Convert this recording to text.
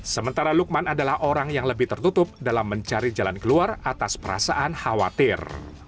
sementara lukman adalah orang yang lebih tertutup dalam mencari jalan keluar atas perasaan khawatir